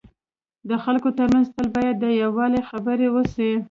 د خلکو ترمنځ تل باید د یووالي خبري وسي.